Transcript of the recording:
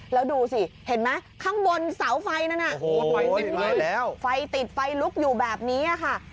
แล้วดูสิเห็นไหมข้างบนเสาไฟนั้นไฟติดไฟลุกอยู่แบบนี้ค่ะ